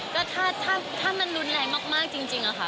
ก็ถ้ามันรุนแรงมากจริงอะค่ะ